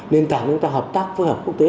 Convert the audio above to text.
nền tảng chúng ta hợp tác phối hợp quốc tế